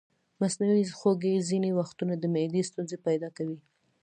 مصنوعي خوږې ځینې وختونه د معدې ستونزې پیدا کوي.